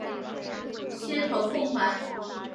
褐头凤鹛。